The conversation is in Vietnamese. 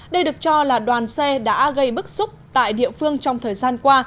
đây được cho là đoàn xe đã gây bức xúc tại địa phương trong thời gian qua